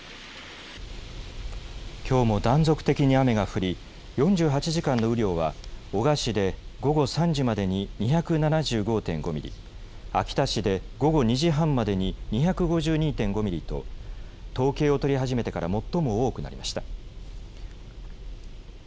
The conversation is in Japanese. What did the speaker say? きょうも断続的に雨が降り４８時間の雨量は男鹿市で午後３時までに２７５．５ミリ、秋田市で午後２時半までに２５２．５ミリと統計を取り始めてから最も多くなりました。